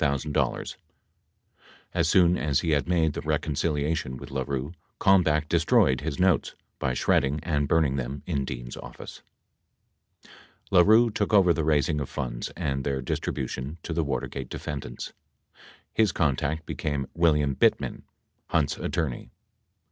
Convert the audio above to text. As soon as he had made the reconciliation with LaRue, Kalmbach destroyed his notes by shredding and burning them in Dean's office. 98 LaRue took over the raising of funds and their distribution to the TV atergate defendants. His contact became William Bittman, Hunt's attorney.